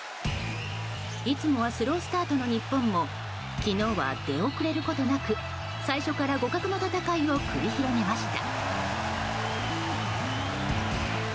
いつもはスロースタートの日本も昨日は出遅れることなく最初から互角の戦いを繰り広げました。